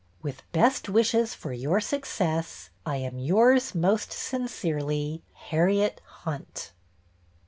With best wishes for your success, I am. Yours most sincerely, Harriet Hunt.